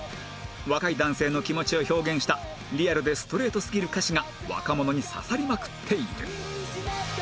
若い男性の気持ちを表現したリアルでストレートすぎる歌詞が若者に刺さりまくっている